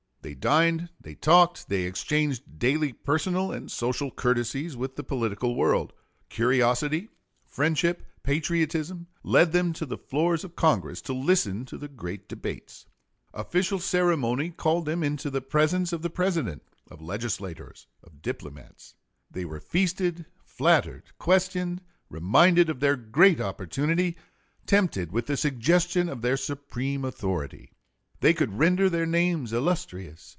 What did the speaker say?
They dined, they talked, they exchanged daily personal and social courtesies with the political world. Curiosity, friendship, patriotism, led them to the floors of Congress to listen to the great debates. Official ceremony called them into the presence of the President, of legislators, of diplomats. They were feasted, flattered, questioned, reminded of their great opportunity, tempted with the suggestion of their supreme authority. They could render their names illustrious.